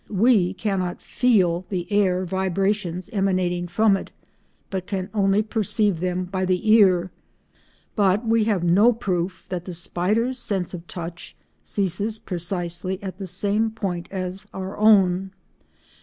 We cannot feel the air vibrations emanating from it, but can only perceive them by the ear, but we have no proof that the spider's sense of touch ceases precisely at the same point as our own.